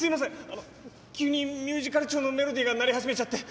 あの急にミュージカル調のメロディーが鳴り始めちゃって。